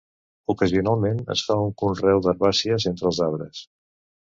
Ocasionalment es fa un conreu d'herbàcies entre els arbres.